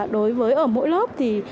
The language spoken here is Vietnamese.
đối với ở mỗi lớp thì